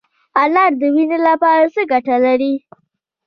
انار د وینې لپاره څه ګټه لري؟